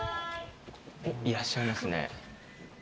いらっしゃいますね。